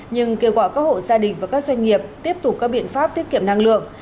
nhưng kêu gọi các hộ gia đình và các doanh nghiệp tiếp tục các biện pháp tiết kiệm năng lượng